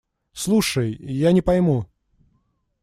Слушай… Я не пойму.